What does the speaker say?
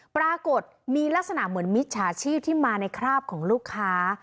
ปรากฏมีลักษณะเหมือนมิจฉาชีพที่มาในคราบของลูกค้า